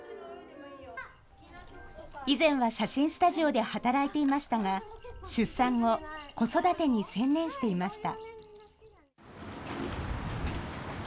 以前は写真スタジオで働いていましたが、出産後、子育てに専念していました。